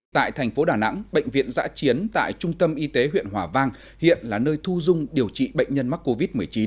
tại thành phố đà nẵng bệnh viện giã chiến tại trung tâm y tế huyện hòa vang hiện là nơi thu dung điều trị bệnh nhân mắc covid một mươi chín